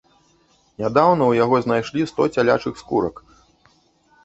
Нядаўна ў яго знайшлі сто цялячых скурак.